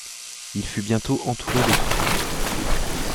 Il fut bientôt entouré de toutes parts.